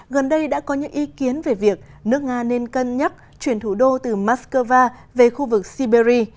gần đây đã có những ý kiến về việc nước nga nên cân nhắc chuyển thủ đô từ moscow về khu vực siberia